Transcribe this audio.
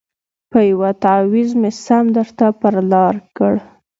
په یوه تعویذ مي سم درته پر لار کړ